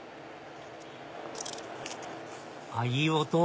あっいい音！